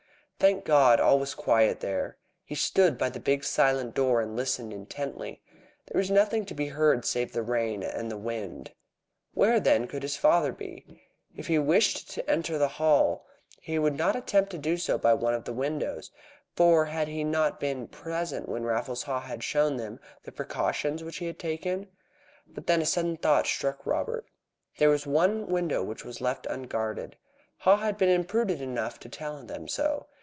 Thank God! all was quiet there. He stood by the big silent door and listened intently. There was nothing to be heard save the wind and the rain. Where, then, could his father be? If he wished to enter the Hall he would not attempt to do so by one of the windows, for had he not been present when Raffles Haw had shown them the precautions which he had taken? But then a sudden thought struck Robert. There was one window which was left unguarded. Haw had been imprudent enough to tell them so.